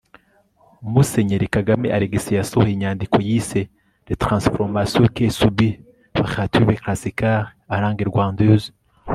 musenyeri kagame alexis yasohoye inyandiko yise les transformations que subit le relative classical en langue rwandaise